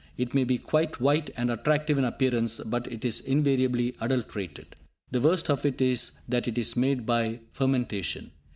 It may be quite white and attractive in appearance, but it is invariably adulterated. The worst of it is that it is made by fermentation.